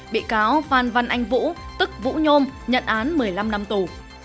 bị cáo phan văn anh vũ tức vũ nhôm nhận án một mươi năm năm tù